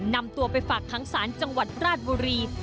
นำตัวไปฝากค้างศาลจังหวัดราชบุรี